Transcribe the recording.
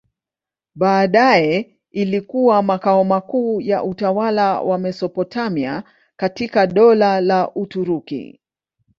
Baadaye ilikuwa makao makuu ya utawala wa Mesopotamia katika Dola la Uturuki.